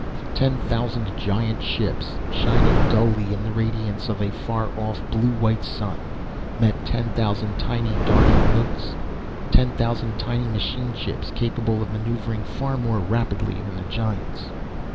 Ten thousand giant ships, shining dully in the radiance of a far off blue white sun, met ten thousand tiny, darting motes, ten thousand tiny machine ships capable of maneuvering far more rapidly than the giants.